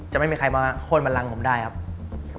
จะไม่มีใครมาโค้นบันลังผมได้ครับ